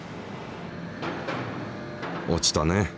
落ちたね。